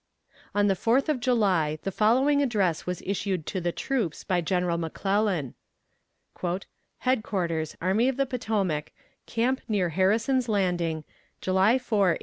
On the fourth of July the following address was issued to the troops by General McClellan: "HEADQUARTERS, ARMY OF THE POTOMAC Camp near Harrison's Landing, July 4, 1862.